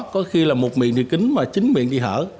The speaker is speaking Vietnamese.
có khi là một miệng thì kín mà chính miệng thì hở